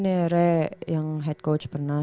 nere yang head coach pernah